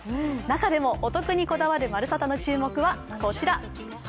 中でもお得にこだわる「まるサタ」の注目はこちら。